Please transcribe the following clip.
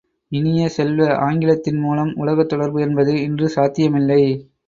இனிய செல்வ, ஆங்கிலத்தின் மூலம் உலகத் தொடர்பு என்பது இன்று சாத்தியமில்லை!